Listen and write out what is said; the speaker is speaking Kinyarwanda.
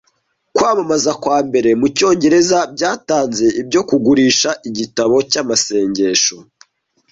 kwamamaza kwambere mucyongereza byatanze ibyo kugurisha Igitabo cyamasengesho